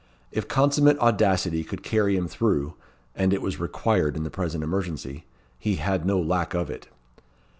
If consummate audacity could carry him through and it was required in the present emergency he had no lack of it.